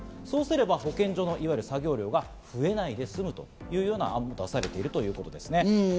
そうすれば保健所の作業量が増えないで済む、とういうような案も出されているということです。